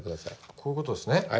こういう事ですね？